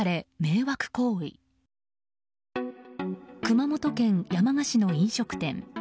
熊本県山鹿市の飲食店。